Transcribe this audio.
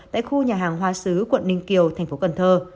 tại khu nhà hàng hoa sứ quận ninh kiều thành phố cần thơ